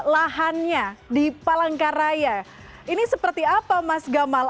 lahannya di palangkaraya ini seperti apa mas gamal